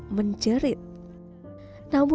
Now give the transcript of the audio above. itu yang terbaik rajin kamu